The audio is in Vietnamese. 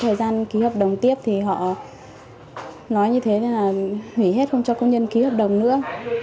thời gian ký hợp đồng tiếp thì họ nói như thế là hủy hết không cho công nhân ký hợp đồng nữa